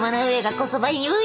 こそばゆい？